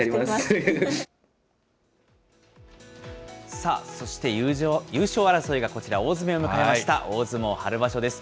さあ、そして優勝争いがこちら、大詰めを迎えました、大相撲春場所です。